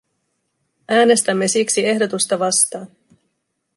Äänestämme siksi ehdotusta vastaan.